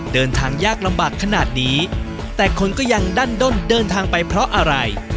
เดินทางยากลำบากขนาดนี้แต่คนก็ยังดั้นด้นเดินทางไปเพราะอะไร